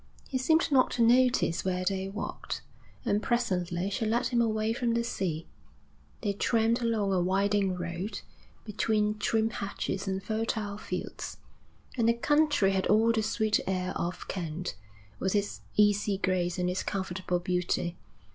He seemed not to notice where they walked, and presently she led him away from the sea. They tramped along a winding road, between trim hedges and fertile fields; and the country had all the sweet air of Kent, with its easy grace and its comfortable beauty.